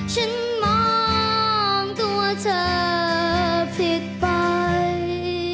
ฉันมองตัวเธอผิดไป